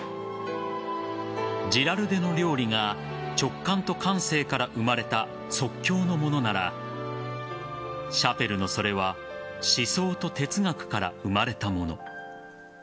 ジラルデの料理が直感と感性から生まれた即興のものならシャペルのそれは思想と哲学から生まれたもの。